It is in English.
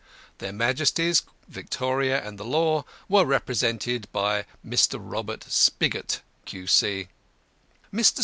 Their Majesties, Victoria and the Law, were represented by Mr. Robert Spigot, Q.C. Mr.